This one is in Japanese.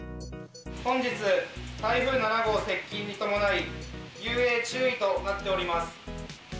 本日、台風７号接近に伴い、遊泳注意となっております。